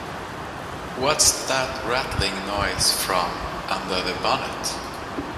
What's that rattling noise from under the bonnet?